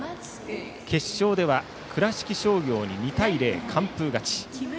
決勝では倉敷商業に２対０で完封勝ち。